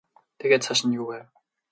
Тэгээд цааш нь юу байв?